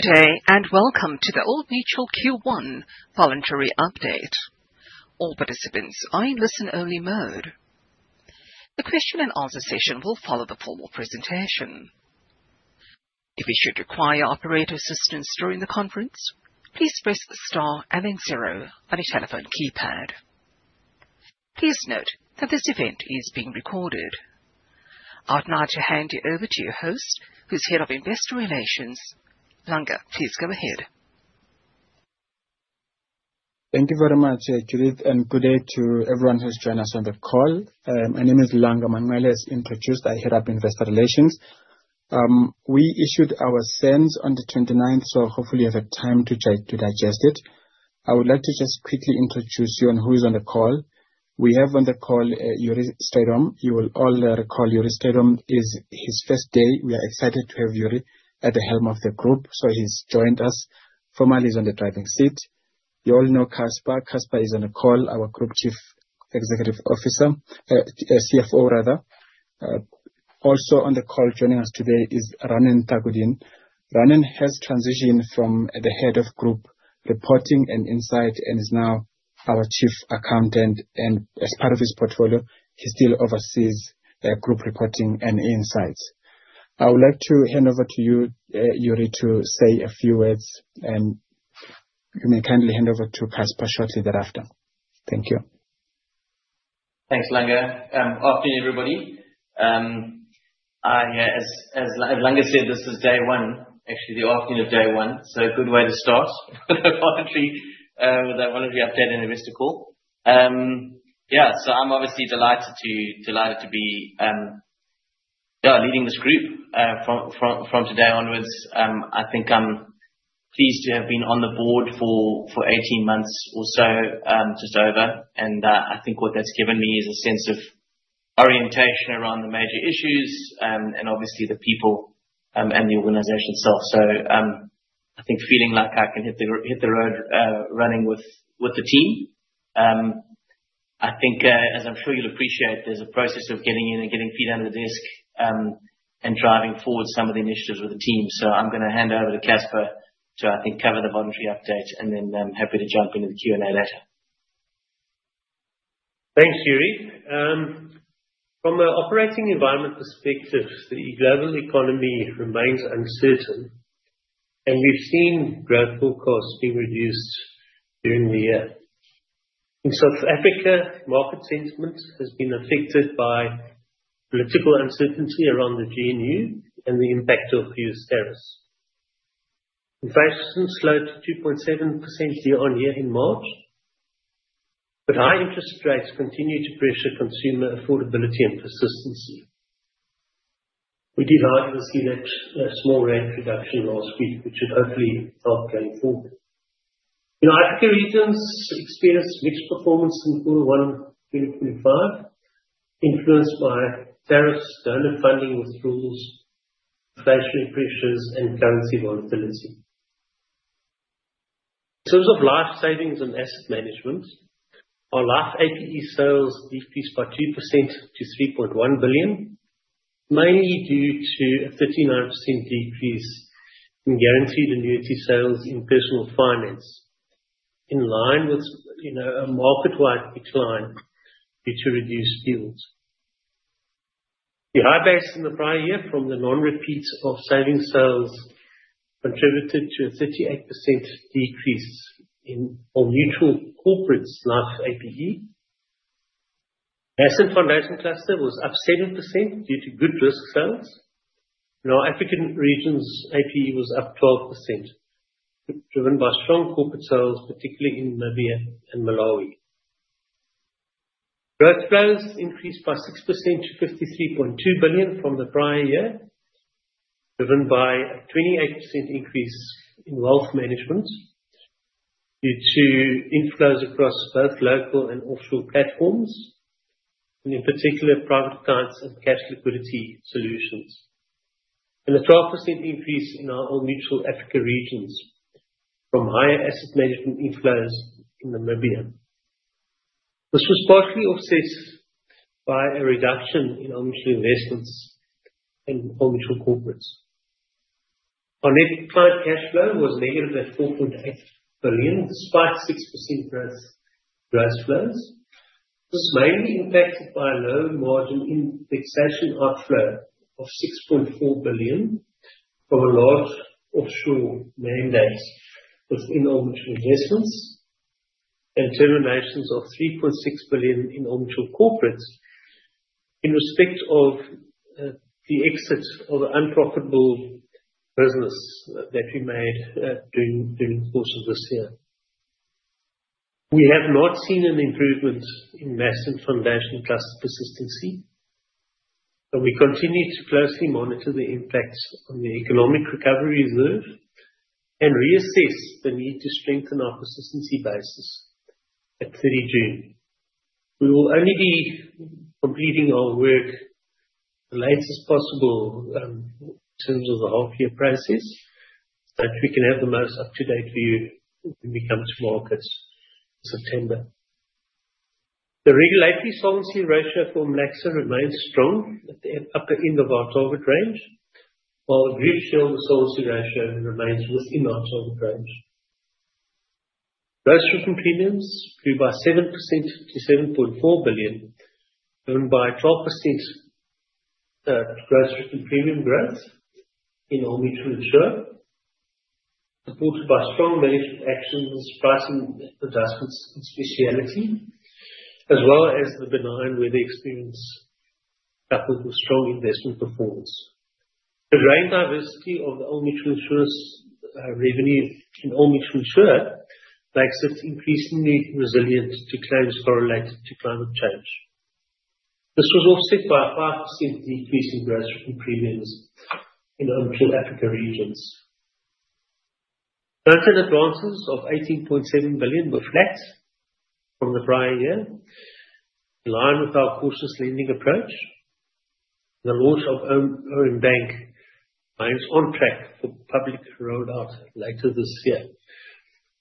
Good day, and welcome to the Old Mutual Q1 Voluntary Update. All participants are in listen-only mode. The question-and-answer session will follow the formal presentation. If you should require operator assistance during the conference, please press the star and then zero on your telephone keypad. Please note that this event is being recorded. I'd like to hand you over to your host, who's Head of Investor Relations. Langa, please go ahead. Thank you very much, Judith, and good day to everyone who's joined us on the call. My name is Langa Manqele, as introduced. I head up investor relations. We issued our SENS on the 29th, so hopefully you have time to digest it. I would like to just quickly introduce you and who is on the call. We have on the call Jurie Strydom. You will all recall Jurie Strydom is his first day. We are excited to have Jurie at the helm of the group, so he's joined us. Formally, he's on the driving seat. You all know Casper. Casper is on the call, our Group Chief Financial Officer. Also on the call joining us today is Ranen Thakurdin. Ranen has transitioned from the Head of Group Reporting and Insight and is now our Chief Accountant. As part of his portfolio, he still oversees group reporting and insights. I would like to hand over to you, Jurie, to say a few words, and you may kindly hand over to Casper shortly thereafter. Thank you. Thanks, Langa. Afternoon, everybody. As Langa said, this is day one, actually the afternoon of day one, so a good way to start with a voluntary update and investor call. Yeah, so I'm obviously delighted to be leading this group from today onwards. I think I'm pleased to have been on the board for 18 months or so just over. I think what that's given me is a sense of orientation around the major issues and obviously the people and the organization itself. I think feeling like I can hit the road running with the team. I think, as I'm sure you'll appreciate, there's a process of getting in and getting feet under the desk and driving forward some of the initiatives with the team. I'm going to hand over to Casper to, I think, cover the voluntary update and then I'm happy to jump into the Q&A later. Thanks, Jurie. From an operating environment perspective, the global economy remains uncertain, and we've seen growth forecasts being reduced during the year. In South Africa, market sentiment has been affected by political uncertainty around the GNU and the impact of U.S. tariffs. Inflation slowed to 2.7% year-on-year in March, but high interest rates continue to pressure consumer affordability and persistency. We did hardly see that small rate reduction last week, which should hopefully help going forward. Africa region's experienced mixed performance in Q1 2025, influenced by tariffs, donor funding withdrawals, inflationary pressures, and currency volatility. In terms of life savings and asset management, our life APE sales decreased by 2% to 3.1 billion, mainly due to a 39% decrease in guaranteed annuity sales in personal finance, in line with a market-wide decline due to reduced yields. The high base in the prior year from the non-repeats of savings sales contributed to a 38% decrease in Old Mutual Corporate life APE. Mass and Foundation Cluster was up 7% due to good risk sales. Our African region's APE was up 12%, driven by strong corporate sales, particularly in Namibia and Malawi. Gross flows increased by 6% to 53.2 billion from the prior year, driven by a 28% increase in wealth management due to inflows across both local and offshore platforms, and in particular, private accounts and cash liquidity solutions. A 12% increase in our Old Mutual Africa regions came from higher asset management inflows in Namibia. This was partially offset by a reduction in Old Mutual Investments and Old Mutual Corporate. Our net client cash flow was negative at 4.8 billion, despite 6% gross flows. This was mainly impacted by a low margin indexation outflow of 6.4 billion from a large offshore mandate within Old Mutual Investments and terminations of 3.6 billion in Old Mutual Corporate in respect of the exit of unprofitable business that we made during the course of this year. We have not seen an improvement in Mass and Foundation Cluster persistency, but we continue to closely monitor the impacts on the economic recovery reserve and reassess the need to strengthen our persistency basis at 30 June. We will only be completing our work the latest possible in terms of the whole year process so that we can have the most up-to-date view when we come to markets in September. The regulatory solvency ratio for MLACSA remains strong at the upper end of our target range, while the group shareholder solvency ratio remains within our target range. Gross written premiums grew by 7% to 7.4 billion, driven by 12% gross written premium growth in Old Mutual Insure, supported by strong management actions and repricing adjustments in specialty, as well as the benign weather experience coupled with strong investment performance. The granularity and diversity of the Old Mutual Insure revenue in Old Mutual Insure makes it increasingly resilient to claims correlated to climate change. This was offset by a 5% decrease in gross written premiums in Old Mutual Africa regions. Current advances of 18.7 billion were flat from the prior year, in line with our cautious lending approach. The launch of OM Bank remains on track for public rollout later this year.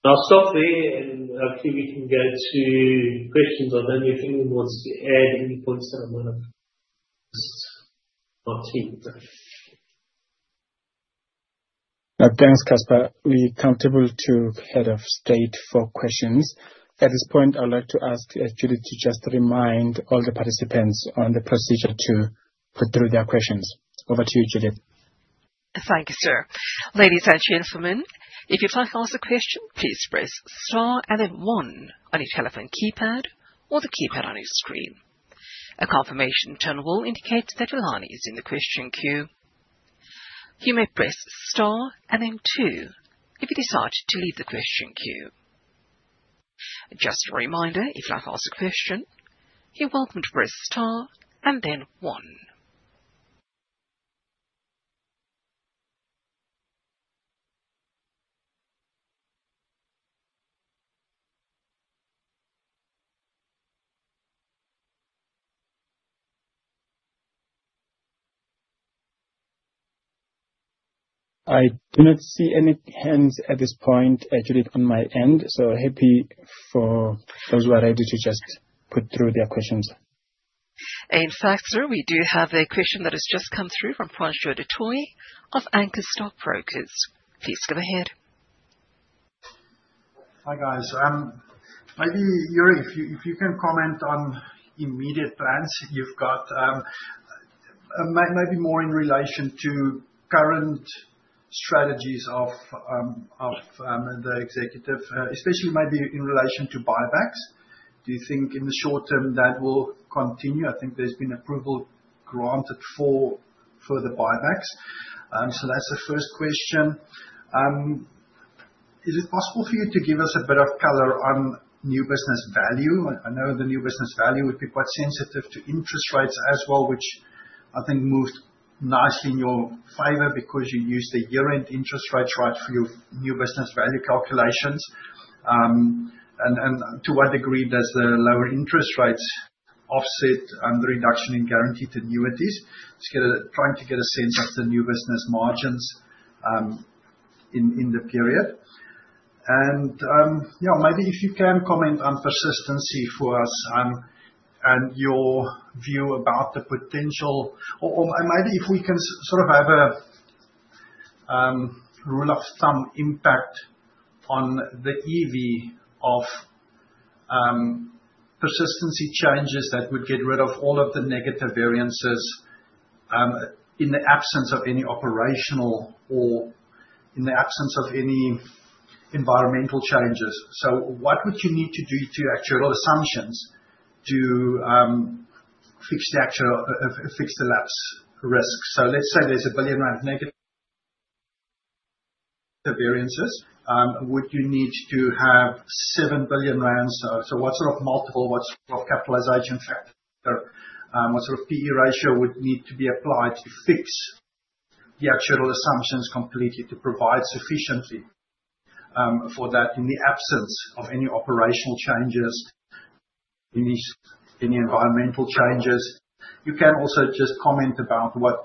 I'll stop there, and hopefully we can go to questions. I don't know if anyone wants to add any points that I might have missed on our team. Thanks, Casper. We can now go to the head of state for questions. At this point, I'd like to ask Judith to just remind all the participants on the procedure to put through their questions. Over to you, Judith. Thank you, sir. Ladies and gentlemen, if you'd like to ask a question, please press star and then one on your telephone keypad or the keypad on your screen. A confirmation tone will indicate that your line is in the question queue. You may press star and then two if you decide to leave the question queue. Just a reminder, if you'd like to ask a question, you're welcome to press star and then one. I do not see any hands at this point, Judith, on my end, so happy for those who are ready to just put through their questions. In fact, sir, we do have a question that has just come through from Francois du Toit of Anchor Capital. Please go ahead. Hi guys. Maybe, Jurie, if you can comment on immediate plans you've got, maybe more in relation to current strategies of the executive, especially maybe in relation to buybacks. Do you think in the short term that will continue? I think there's been approval granted for further buybacks. That's the first question. Is it possible for you to give us a bit of color on new business value? I know the new business value would be quite sensitive to interest rates as well, which I think moved nicely in your favor because you used the year-end interest rates right for your new business value calculations. To what degree does the lower interest rates offset the reduction in guaranteed annuities? Just trying to get a sense of the new business margins in the period. Maybe if you can comment on persistency for us and your view about the potential, or maybe if we can sort of have a rule of thumb impact on the EV of persistency changes that would get rid of all of the negative variances in the absence of any operational or in the absence of any environmental changes. What would you need to do to actual assumptions to fix the actual lapse risk? Let's say there's a 1 billion rand negative variances. Would you need to have 7 billion rand? What sort of multiple, what sort of capitalization factor, what sort of PE ratio would need to be applied to fix the actual assumptions completely to provide sufficiently for that in the absence of any operational changes, any environmental changes? You can also just comment about what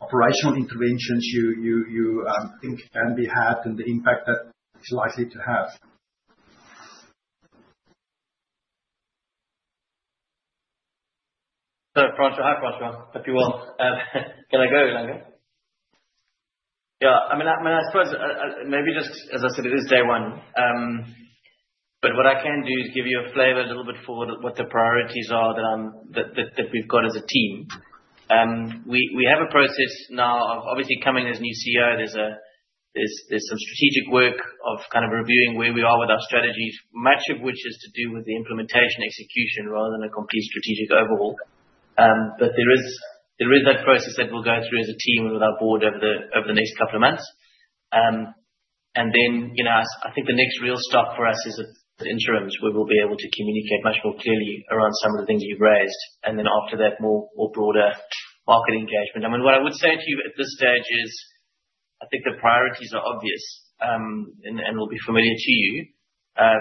operational interventions you think can be had and the impact that it's likely to have. Hi, Francois. Hope you're well. Can I go, Langa? Yeah. I mean, I suppose maybe just, as I said, it is day one. What I can do is give you a flavor a little bit for what the priorities are that we've got as a team. We have a process now of obviously coming as new CEO. There's some strategic work of kind of reviewing where we are with our strategies, much of which is to do with the implementation execution rather than a complete strategic overhaul. There is that process that we'll go through as a team with our board over the next couple of months. I think the next real stop for us is insurance, where we'll be able to communicate much more clearly around some of the things you've raised. After that, more broader market engagement. I mean, what I would say to you at this stage is I think the priorities are obvious and will be familiar to you.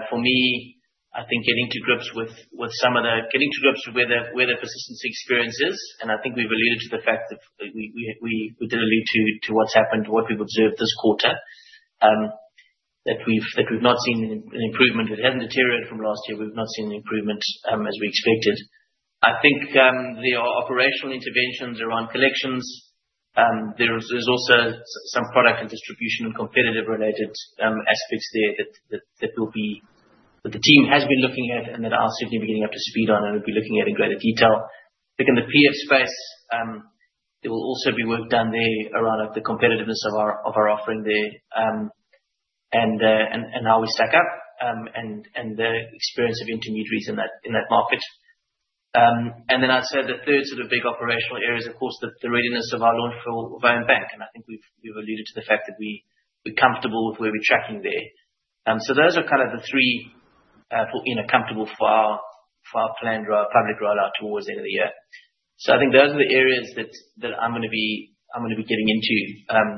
For me, I think getting to grips with where the persistency experience is. I think we've alluded to the fact that we did allude to what's happened, what we've observed this quarter, that we've not seen an improvement. It hasn't deteriorated from last year. We've not seen an improvement as we expected. I think there are operational interventions around collections. There's also some product and distribution and competitive-related aspects there that the team has been looking at and that our city will be getting up to speed on and will be looking at in greater detail. Looking at the PF space, there will also be work done there around the competitiveness of our offering there and how we stack up and the experience of intermediaries in that market. I'd say the third sort of big operational area is, of course, the readiness of our launch for OM Bank. I think we've alluded to the fact that we're comfortable with where we're tracking there. Those are kind of the three comfortable for our planned public rollout towards the end of the year. I think those are the areas that I'm going to be getting into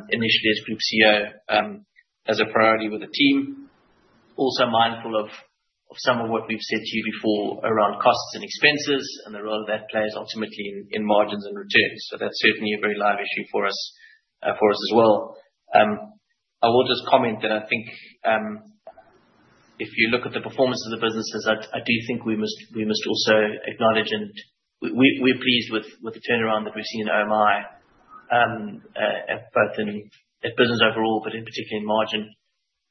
initially as Group CEO as a priority with the team. Also mindful of some of what we've said to you before around costs and expenses and the role that plays ultimately in margins and returns. That's certainly a very live issue for us as well. I will just comment that I think if you look at the performance of the businesses, I do think we must also acknowledge and we're pleased with the turnaround that we've seen in Old Mutual Insure, both in business overall, but in particular in margin.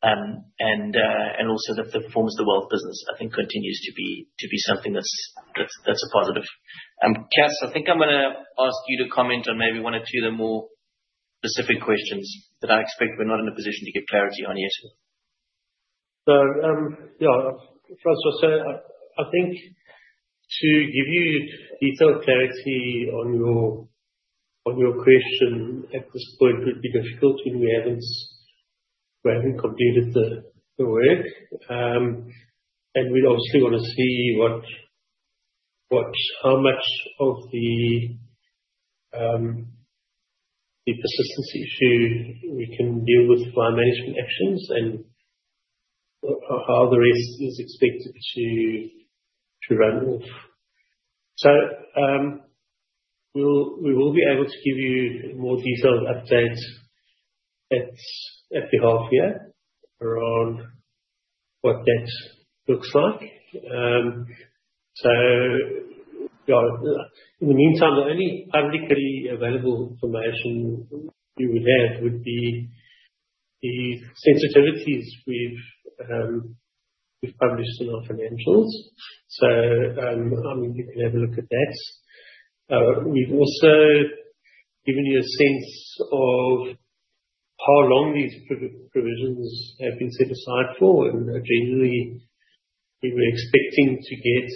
And also the performance of the wealth business, I think, continues to be something that's a positive. Casper, I think I'm going to ask you to comment on maybe one or two of the more specific questions that I expect we're not in a position to give clarity on yet. Yeah, first I'll say I think to give you detailed clarity on your question at this point would be difficult when we haven't completed the work. We'd obviously want to see how much of the persistency issue we can deal with via management actions and how the rest is expected to run. We will be able to give you more detailed updates at the half year around what that looks like. In the meantime, the only publicly available information you would have would be the sensitivities we've published in our financials. I mean, you can have a look at that. We've also given you a sense of how long these provisions have been set aside for. Generally, we were expecting to get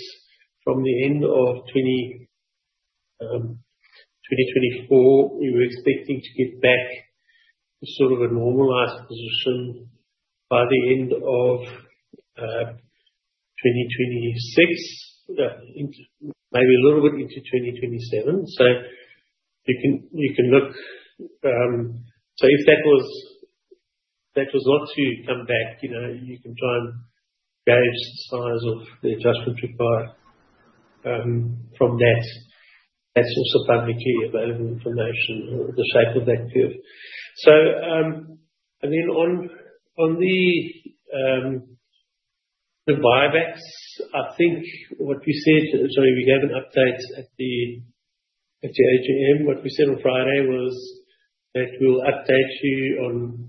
from the end of 2024, we were expecting to get back to sort of a normalized position by the end of 2026, maybe a little bit into 2027. You can look. If that was not to come back, you can try and gauge the size of the adjustment required from that. That is also publicly available information, the shape of that curve. I mean, on the buybacks, I think what we said, sorry, we gave an update at the AGM. What we said on Friday was that we will update you on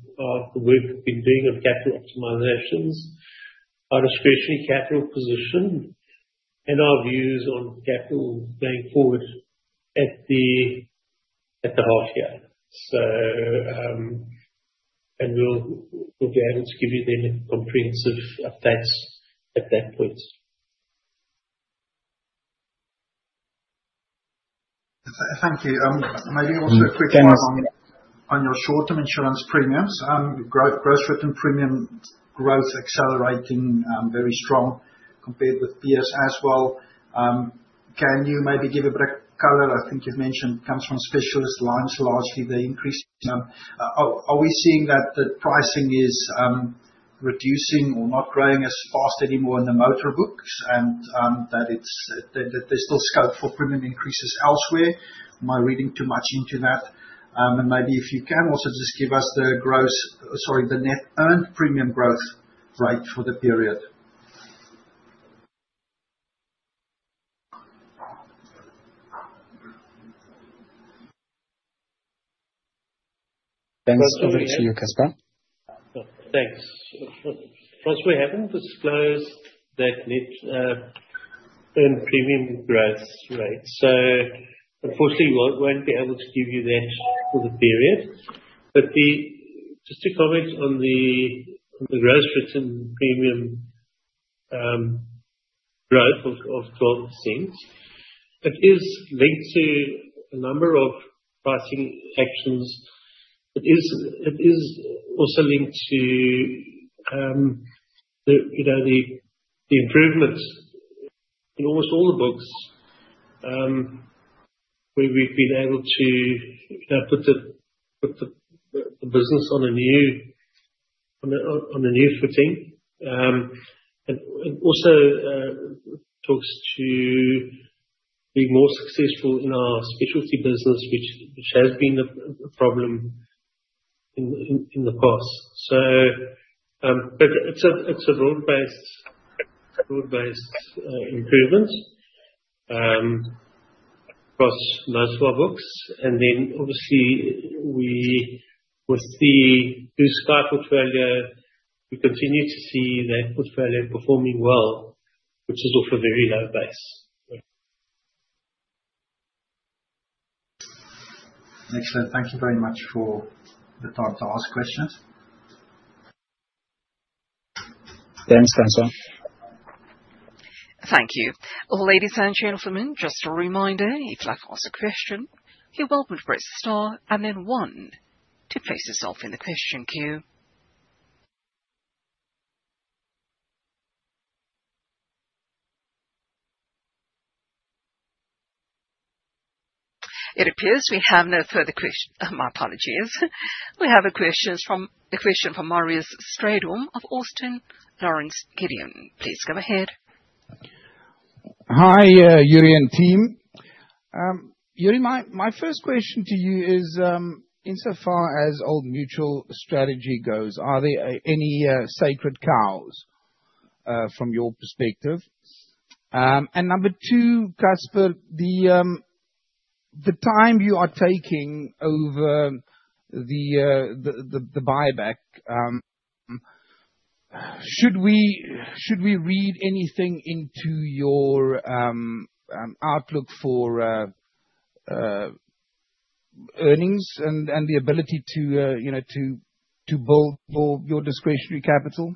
the work we have been doing on capital optimizations, our discretionary capital position, and our views on capital going forward at the half year. We will be able to give you then comprehensive updates at that point. Thank you. Maybe also a quick one on your short-term insurance premiums. Gross written premium growth accelerating, very strong compared with BS as well. Can you maybe give a bit of color? I think you've mentioned it comes from specialist lines largely. They increase. Are we seeing that the pricing is reducing or not growing as fast anymore in the motor books and that there's still scope for premium increases elsewhere? Am I reading too much into that? And maybe if you can also just give us the gross, sorry, the net earned premium growth rate for the period. Thanks. Over to you, Casper. Thanks. Francois, we haven't disclosed that net earned premium growth rate. Unfortunately, we won't be able to give you that for the period. Just to comment on the gross written premium growth of 12%, it is linked to a number of pricing actions. It is also linked to the improvements in almost all the books where we've been able to put the business on a new footing. It also talks to being more successful in our specialty business, which has been a problem in the past. It is a broad-based improvement across most of our books. Obviously, with the new Sky Portfolio, we continue to see that portfolio performing well, which is off a very low base. Excellent. Thank you very much for the time to ask questions. Thanks, Casper. Thank you. Ladies and gentlemen, just a reminder, if you'd like to ask a question, you're welcome to press star and then one to place yourself in the question queue. It appears we have no further questions. My apologies. We have a question from Marius Strydom of Austin Lawrence Gidon. Please go ahead. Hi, Jurie and team. Jurie, my first question to you is, insofar as Old Mutual strategy goes, are there any sacred cows from your perspective? Number two, Casper, the time you are taking over the buyback, should we read anything into your outlook for earnings and the ability to build your discretionary capital?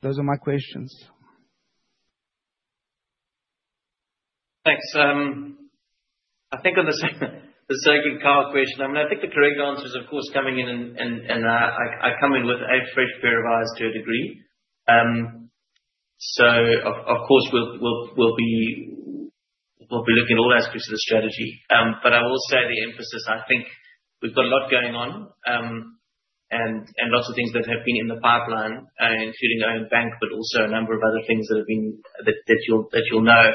Those are my questions. Thanks. I think on the sacred cow question, I mean, I think the correct answer is, of course, coming in, and I come in with a fresh pair of eyes to a degree. Of course, we will be looking at all aspects of the strategy. I will say the emphasis, I think we have got a lot going on and lots of things that have been in the pipeline, including our own bank, but also a number of other things that you will know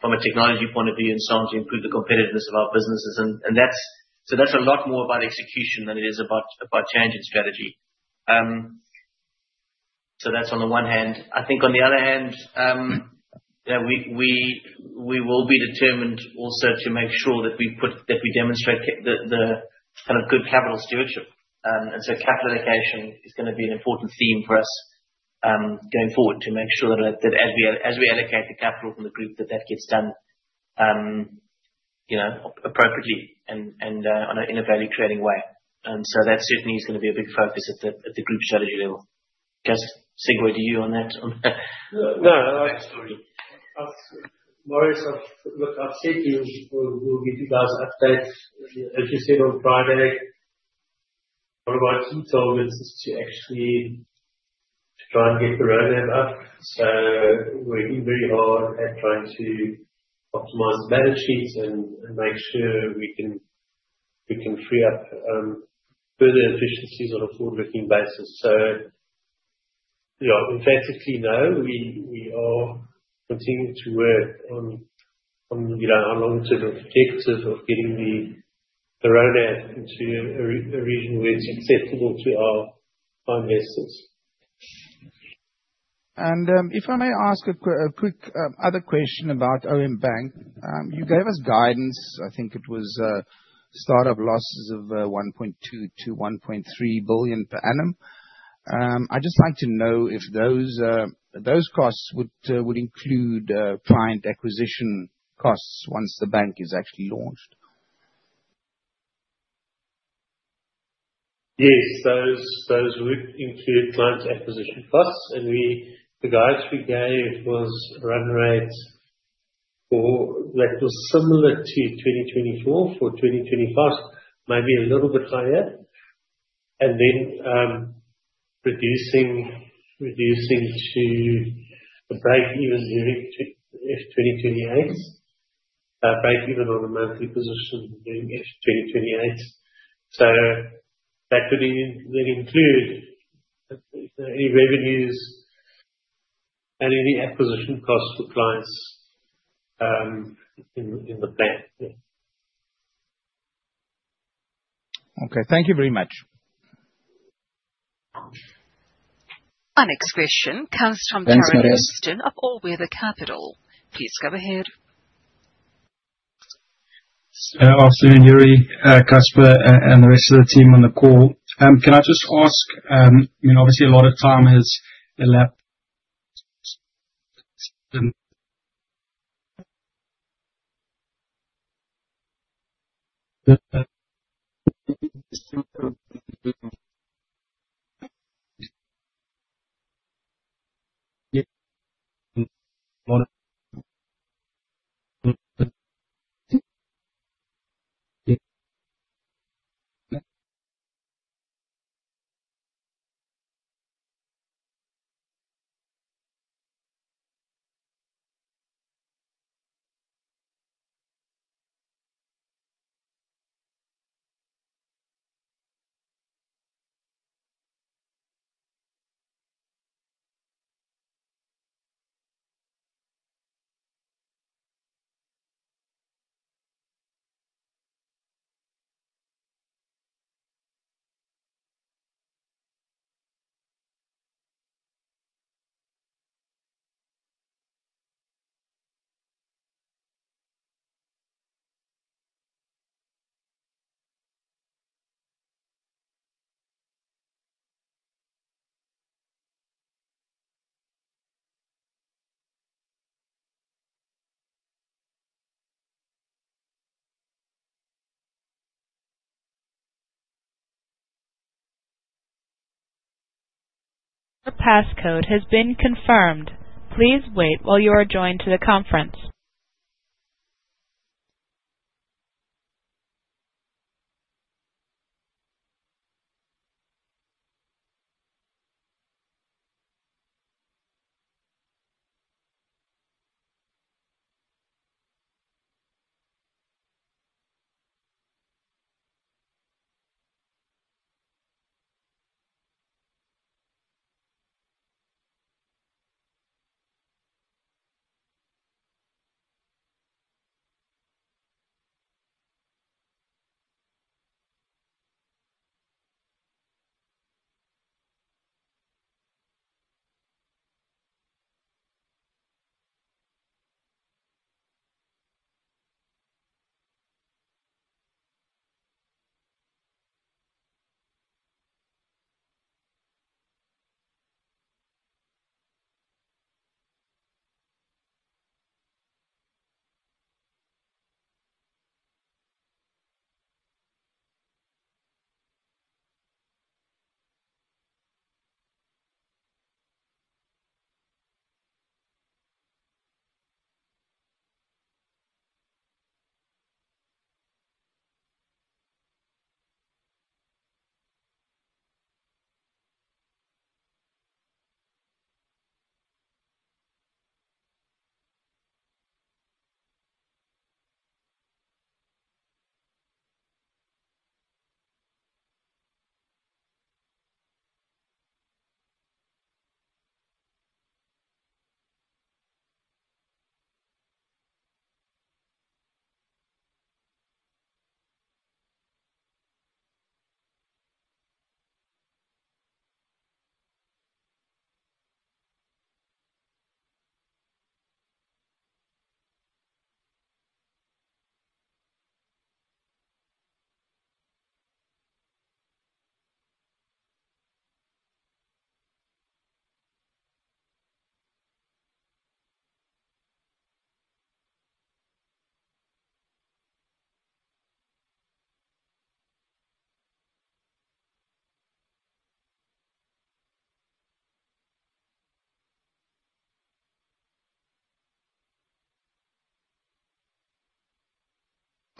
from a technology point of view and so on to improve the competitiveness of our businesses. That is a lot more about execution than it is about change in strategy. That is on the one hand. I think on the other hand, we will be determined also to make sure that we demonstrate the kind of good capital stewardship. Capital allocation is going to be an important theme for us going forward to make sure that as we allocate the capital from the group, that that gets done appropriately and in a value-creating way. That certainly is going to be a big focus at the group strategy level. Casper, segue to you on that. No, that's fine. Marius, I've said to you we'll give you guys an update. As you said on Friday, one of our key targets is to actually try and get the roadmap up. We are working very hard at trying to optimize the balance sheets and make sure we can free up further efficiencies on a forward-looking basis. Yeah, effectively, no, we are continuing to work on our long-term objective of getting the roadmap into a region where it's acceptable to our investors. If I may ask a quick other question about OM Bank, you gave us guidance. I think it was startup losses of 1.2 billion-1.3 billion per annum. I'd just like to know if those costs would include client acquisition costs once the bank is actually launched? Yes, those would include client acquisition costs. The guidance we gave was a run rate that was similar to 2024 for 2025, maybe a little bit higher, and then reducing to a break-even moving to F2028, a break-even on the monthly position moving F2028. That would include any revenues and any acquisition costs for clients in the bank. Okay. Thank you very much. Our next question comes from Jarred Houstn of All Weather Capital. Please go ahead. Afternoon, Jurie, Casper, and the rest of the team on the call. Can I just ask, I mean, obviously, a lot of time has elapsed. The passcode has been confirmed. Please wait while you are joined to the conference.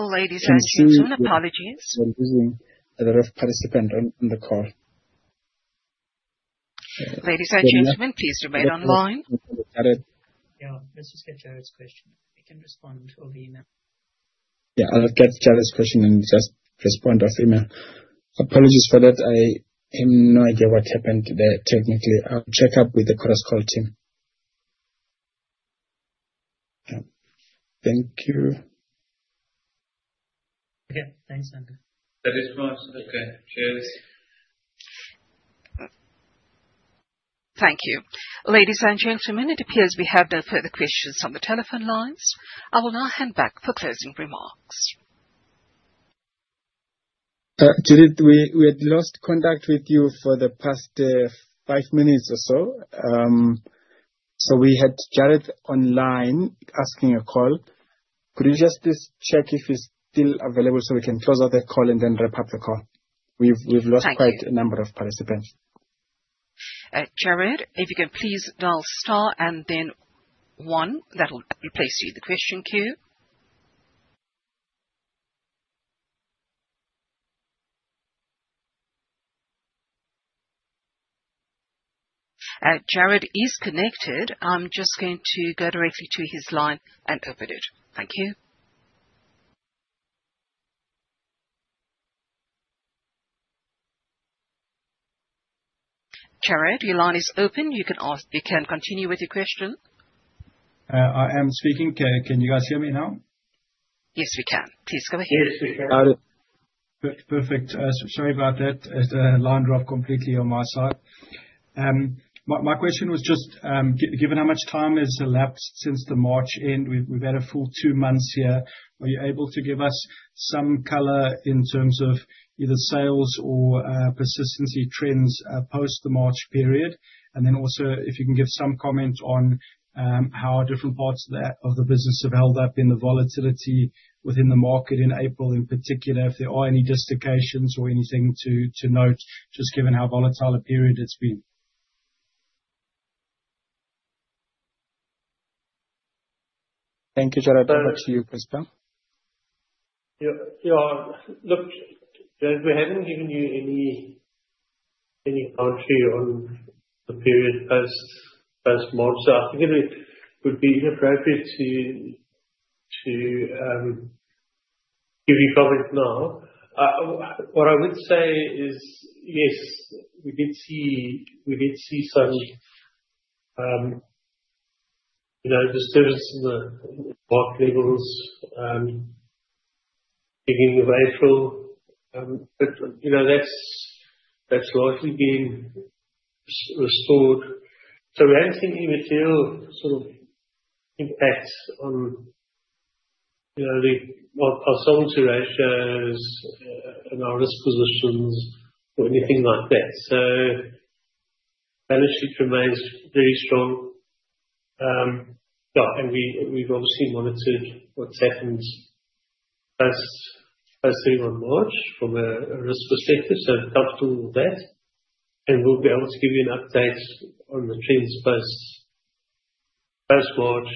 Ladies and gentlemen, apologies. Sorry, I'm losing a bit of participant on the call. Ladies and gentlemen, please remain on the line. Yeah, let's just get Jarred's question. He can respond to all the emails. Yeah, I'll get Jarred's question and just respond off email. Apologies for that. I have no idea what happened there technically. I'll check up with the CrossCall team. Thank you. Okay. Thanks, Andrew. That is fine. Okay. Cheers. Thank you. Ladies and gentlemen, it appears we have no further questions on the telephone lines. I will now hand back for closing remarks. Jarred, we had lost contact with you for the past five minutes or so. We had Jarred online asking a call. Could you just check if he's still available so we can close out the call and then wrap up the call? We've lost quite a number of participants. Jarred, if you could please dial star and then one. That will place you in the question queue. Jarred is connected. I am just going to go directly to his line and open it. Thank you. Jarred, your line is open. You can continue with your question. I am speaking. Can you guys hear me now? Yes, we can. Please go ahead. Yes, we can. Got it. Perfect. Sorry about that. The line dropped completely on my side. My question was just, given how much time has elapsed since the March end, we have had a full two months here, are you able to give us some color in terms of either sales or persistency trends post the March period? Also, if you can give some comment on how different parts of the business have held up in the volatility within the market in April in particular, if there are any dislocations or anything to note, just given how volatile a period it has been. Thank you, Jarred. Over to you, Casper. Yeah. Look, Jarred, we have not given you any entry on the period post March, so I think it would be appropriate to give you comment now. What I would say is, yes, we did see some disturbance in the market levels beginning of April, but that has largely been restored. We have not seen any material sort of impact on our solvency ratios and our risk positions or anything like that. The balance sheet remains very strong. Yeah. We have obviously monitored what has happened post-31 March from a risk perspective. We are comfortable with that. We will be able to give you an update on the trends post March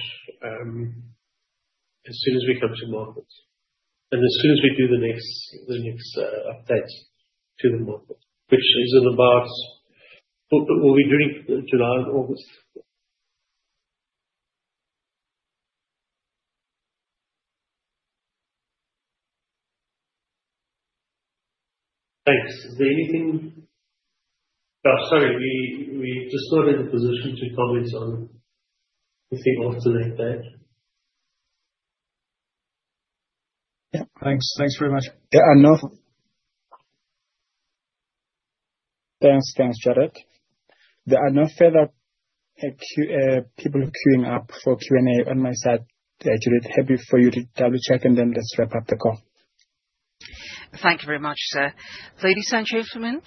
as soon as we come to market and as soon as we do the next update to the market, which is in about what we will be doing July and August. Thanks. Is there anything? Oh, sorry. We just not in a position to comment on anything often like that. Yeah. Thanks. Thanks very much. There are no— Thanks, Jarred. There are no further people queuing up for Q&A on my side, Jared. Happy for you to double-check, and then let's wrap up the call. Thank you very much, sir. Ladies and gentlemen,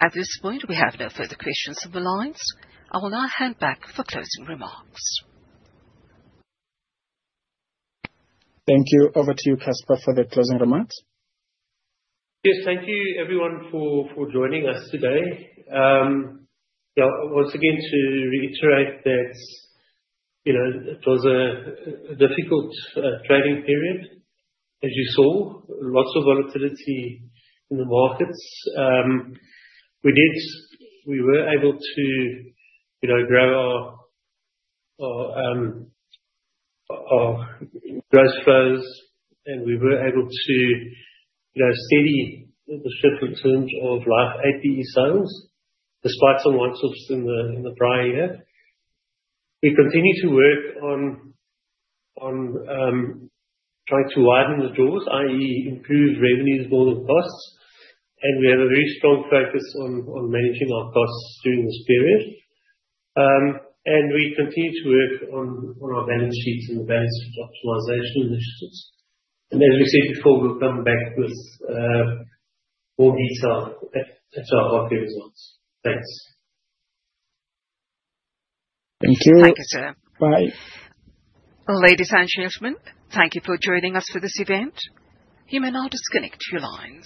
at this point, we have no further questions on the lines. I will now hand back for closing remarks. Thank you. Over to you, Casper, for the closing remarks. Yes. Thank you, everyone, for joining us today. Yeah. Once again, to reiterate that it was a difficult trading period, as you saw, lots of volatility in the markets. We were able to grow our gross flows, and we were able to steady the ship in terms of like APE sales, despite some onslaughts in the prior year. We continue to work on trying to widen the doors, i.e., improve revenues more than costs. We have a very strong focus on managing our costs during this period. We continue to work on our balance sheets and the balance sheet optimization initiatives. As we said before, we will come back with more detail into our market results. Thanks. Thank you. Thank you, sir. Bye. Ladies and gentlemen, thank you for joining us for this event. You may now disconnect your lines.